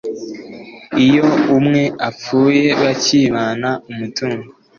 iyo umwe apfuye bakibana umutungo